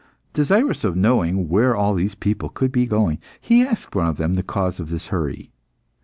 Desirous of knowing where all these people could be going, he asked one of them the cause of this hurry.